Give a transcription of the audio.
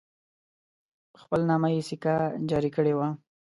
په خپل نامه یې سکه جاري کړې وه.